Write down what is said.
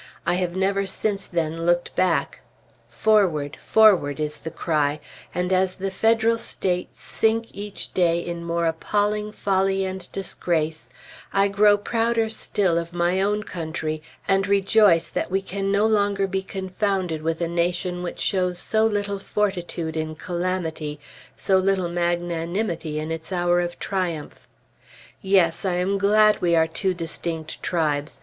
I have never since then looked back; forward, forward! is the cry; and as the Federal States sink each day in more appalling folly and disgrace, I grow prouder still of my own country and rejoice that we can no longer be confounded with a nation which shows so little fortitude in calamity, so little magnanimity in its hour of triumph. Yes! I am glad we are two distinct tribes!